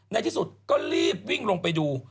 ในที่สุดก็รีบวิ่งลงไปดู